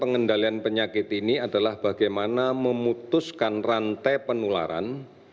pengendalian penyakit ini adalah bagaimana memutuskan rantai penularan